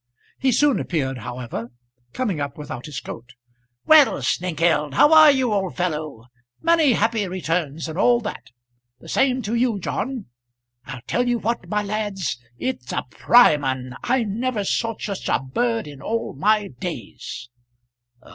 He soon appeared, however, coming up without his coat. "Well, Snengkeld, how are you, old fellow; many happy returns, and all that; the same to you, John. I'll tell you what, my lads; it's a prime 'un. I never saw such a bird in all my days."